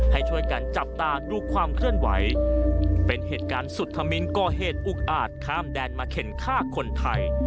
ให้ช่วยกันจับตาดูความเคลื่อนไหวเป็นเหตุการณ์สุธมินก่อเหตุอุกอาจข้ามแดนมาเข็นฆ่าคนไทย